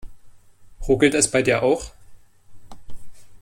Ruckelt es bei dir auch?